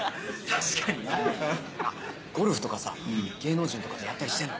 ・確かにな・ゴルフとかさ芸能人とかとやったりしてんの？